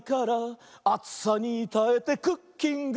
「あつさにたえてクッキング」